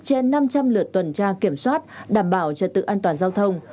trên năm trăm linh lượt tuần tra kiểm soát đảm bảo trật tự an toàn giao thông